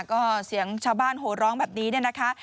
นี่ค่ะก็เสียงชาวบ้านโหร้งแบบนี้นะคะ